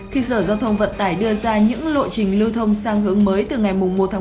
khi sở giao thông vận tải đưa ra những lộ trình lưu thông sang hướng mới từ ngày một một mươi